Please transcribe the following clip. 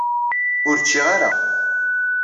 Ur ččiɣ ara.